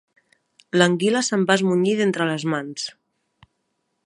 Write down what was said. L'anguila se'm va esmunyir d'entre les mans.